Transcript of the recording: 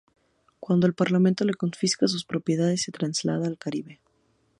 Cuando el Parlamento le confisca sus propiedades, se traslada al Caribe.